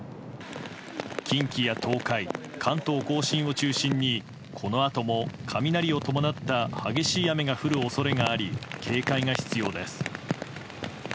近畿や東海、関東・甲信を中心にこのあとも雷を伴った激しい雨が降る恐れがあり警戒が必要です。